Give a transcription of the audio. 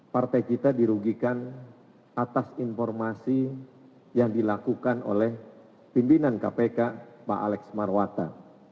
partai kita dirugikan atas informasi yang dilakukan oleh pimpinan kpk pak alex marwata